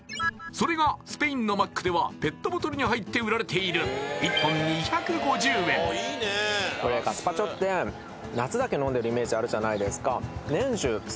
それがスペインのマックではペットボトルに入って売られている１本これガスパチョって夏だけ飲んでるイメージあるじゃないですか年じゅう